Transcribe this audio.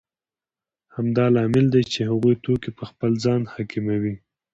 همدا لامل دی چې هغوی توکي په خپل ځان حاکموي